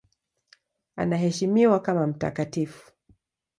Anaheshimiwa kama mtakatifu.